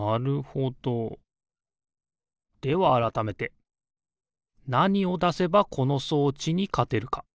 ではあらためてなにをだせばこの装置にかてるか？